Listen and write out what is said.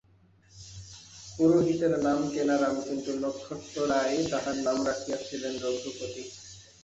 পুরোহিতের নাম কেনারাম, কিন্তু নক্ষত্ররায় তাহার নাম রাখিয়াছিলেন রঘুপতি।